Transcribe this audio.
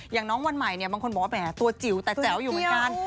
อย่างน้องวันใหม่เนี่ยบางคนบอกว่าแหมตัวจิ๋วแต่แจ๋วอยู่เหมือนกัน